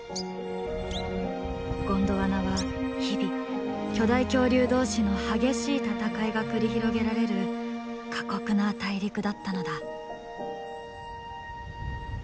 ゴンドワナは日々巨大恐竜同士の激しい戦いが繰り広げられる過酷な大陸だったのだ。